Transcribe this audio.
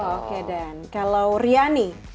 oke dan kalau riani